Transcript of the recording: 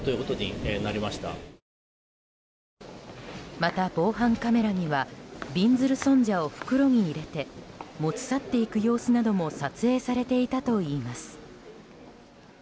また、防犯カメラにはびんずる尊者を袋に入れて持ち去っていく様子なども撮影されていたといいます。